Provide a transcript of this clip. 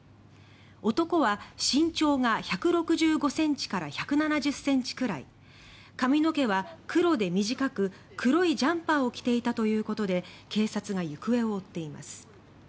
男は身長が１６５ｃｍから１７０ｃｍくらい髪の毛は黒で短く黒いジャンパーを着ていたということで警察が行方を追っています。